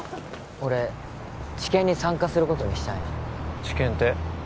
俺治験に参加することにしたんや治験って？